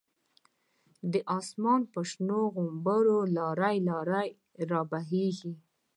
د آسمان په شنو غومبرو، لاری لاری را بهیږی